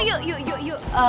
yuk yuk yuk